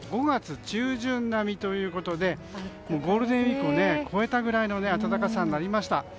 ５月中旬並みということでゴールデンウィークを越えたぐらいの暖かさになりました。